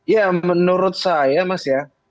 ya menurut saya mas ya